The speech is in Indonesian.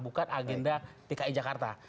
bukan agenda dki jakarta